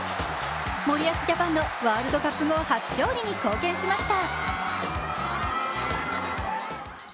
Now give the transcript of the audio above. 森保ジャパンのワールドカップ後初勝利に貢献しました。